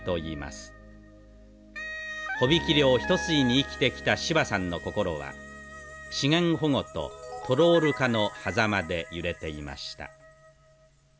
帆引き漁一筋に生きてきた芝さんの心は資源保護とトロール化のはざまで揺れていました。